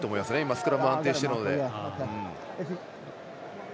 スクラム安定してるので。